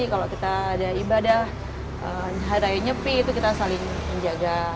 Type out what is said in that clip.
kalau kita ada ibadah hari raya nyepi itu kita saling menjaga